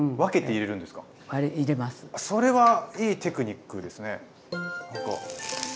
それはいいテクニックですね。